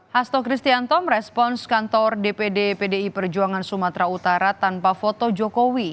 hasto kristianto merespons kantor dpd pdi perjuangan sumatera utara tanpa foto jokowi